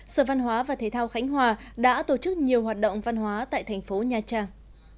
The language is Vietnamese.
sở văn hóa và thế thao khánh hòa đã tổ chức nhiều hoạt động văn hóa tại thành phố nha trang